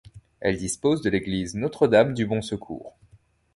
Elle dispose de l'église Notre-Dame-du-Bon-Secours.